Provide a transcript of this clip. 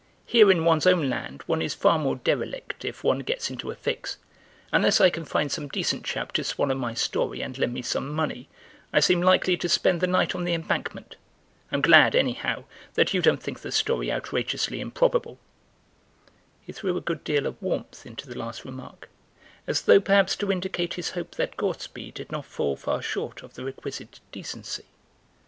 Here in one's own land one is far more derelict if one gets into a fix. Unless I can find some decent chap to swallow my story and lend me some money I seem likely to spend the night on the Embankment. I'm glad, anyhow, that you don't think the story outrageously improbable." He threw a good deal of warmth into the last remark, as though perhaps to indicate his hope that Gortsby did not fall far short of the requisite decency.